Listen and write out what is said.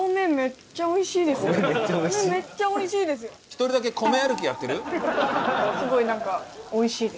米めっちゃおいしい？